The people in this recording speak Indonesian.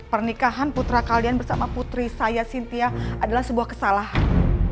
pernikahan putra kalian bersama putri saya cynthia adalah sebuah kesalahan